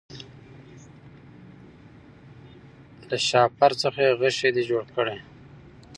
له شهپر څخه یې غشی دی جوړ کړی